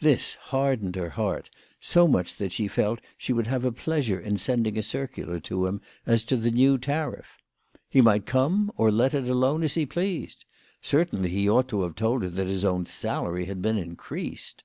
Thie hardened her heart so much that she felt she would have a pleasure in sending a circular to him as to the new tariff. He might come or let it alone, as he pleased, certainly he ought to have told her that his own salary had been increased !